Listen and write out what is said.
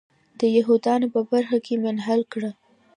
د یهودانو په برخه کې منحل کړه.